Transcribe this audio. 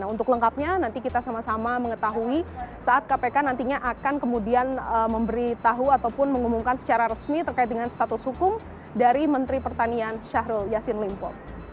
untuk lengkapnya nanti kita sama sama mengetahui saat kpk nantinya akan kemudian memberi tahu ataupun mengumumkan secara resmi terkait dengan status hukum dari menteri pertanian syahrul yassin limpo